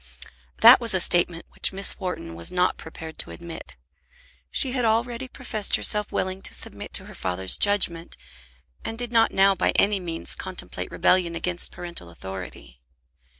That was a statement which Miss Wharton was not prepared to admit. She had already professed herself willing to submit to her father's judgment, and did not now by any means contemplate rebellion against parental authority.